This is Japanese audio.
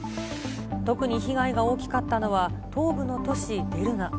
特に被害が大きかったのは、東部の都市デルナ。